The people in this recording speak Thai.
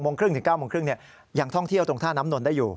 ๖๓๐นถึง๙๓๐นอย่างท่องเที่ยวตรงท่าน้ำหนนได้อยู่